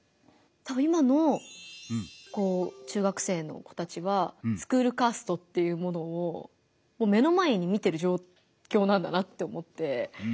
今の中学生の子たちはスクールカーストっていうものをもう目の前に見てる状況なんだなって思ってびっくりしましたね。